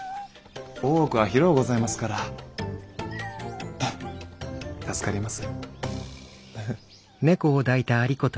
大奥は広うございますから助かります。